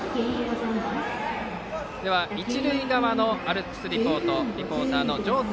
では、一塁側のアルプスリポートリポーターの条谷